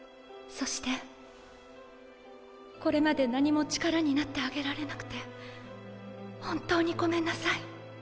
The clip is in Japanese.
そしてこれまで何も力になってあげられなくて本当にごめんなさい。